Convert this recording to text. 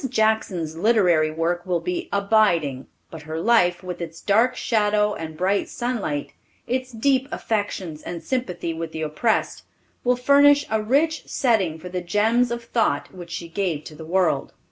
Jackson's literary work will be abiding, but her life, with its dark shadow and bright sunlight, its deep affections and sympathy with the oppressed, will furnish a rich setting for the gems of thought which she gave to the world.